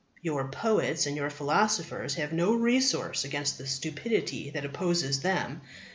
Your poets and your philosophers have no resource against the stupidity that opposes them.